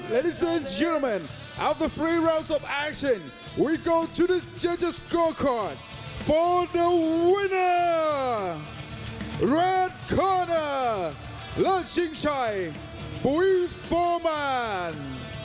และชิงชัยบุรีฟอร์แมน